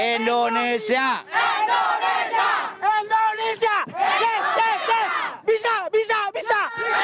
indonesia indonesia indonesia indonesia indonesia